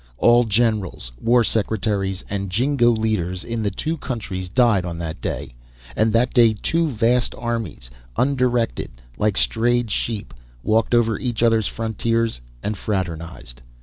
All generals, war secretaries, and jingo leaders in the two countries died on that day; and that day two vast armies, undirected, like strayed sheep, walked over each other's frontiers and fraternized.